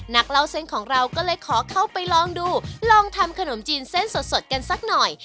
นักเล่าเส้นของเราก็เลยขอเข้าไปลองดูลองทำขนมจีนเส้นสดกันสักหน่อย